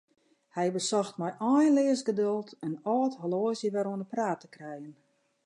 Hy besocht mei einleas geduld in âld horloazje wer oan 'e praat te krijen.